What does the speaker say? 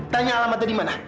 tanya alamatnya di mana